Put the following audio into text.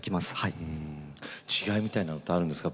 違いみたいなのってあるんですか？